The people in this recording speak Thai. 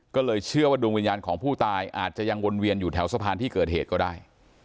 ก็เลยเชื่อว่าดวงวิญญาณของผู้ตายอาจจะยังวนเวียนอยู่แถวสะพานที่เกิดเหตุก็ได้